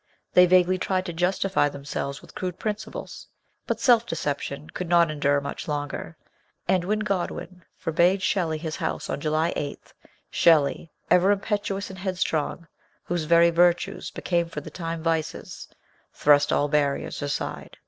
Thej vaguely tried to justify themselves with crude prin ciples. But self deception could not endure much longer; and when Godwin forbade Shelley his house on July 8, Shelley, ever impetuous and head strong, whose very virtues became for the time vices, thrust all barriers aside.